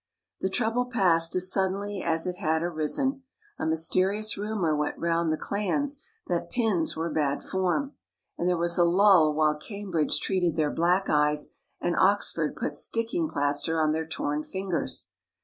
The trouble passed as suddenly as it had arisen ; a mysterious rumour went round the clans that pins were bad form ; and there was a lull while Cam bridge treated their black eyes and Oxford put sticking plaster on their torn fingers.